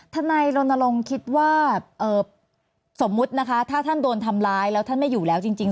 ทนายรณรงค์คิดว่าสมมุตินะคะถ้าท่านโดนทำร้ายแล้วท่านไม่อยู่แล้วจริง